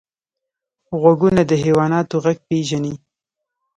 غوږونه د حیواناتو غږ پېژني